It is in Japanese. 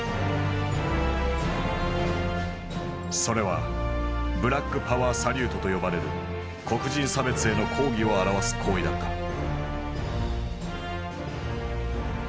それは「ブラックパワー・サリュート」と呼ばれる黒人差別への抗議を表す行為だった。